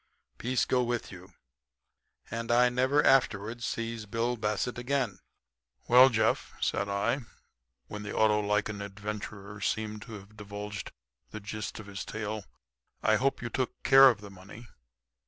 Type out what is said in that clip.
'Peace go with you.' And I never afterward sees Bill Bassett again." "Well, Jeff," said I, when the Autolycan adventurer seemed to have divulged the gist of his tale, "I hope you took care of the money.